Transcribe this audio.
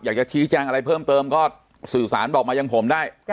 อยากจะชี้แจงอะไรเพิ่มเติมก็สื่อสารบอกมายังผมได้